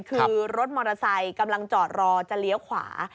คือรถมอเตอร์ไซค์กำลังจอดรอจะเลี้ยวขวา